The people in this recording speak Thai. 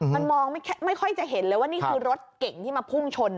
มันมองไม่ค่อยจะเห็นเลยว่านี่คือรถเก่งที่มาพุ่งชน